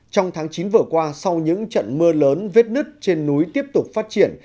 trong tháng chín vừa qua sau những trận mưa lớn vết nứt trên núi tiếp tục phát triển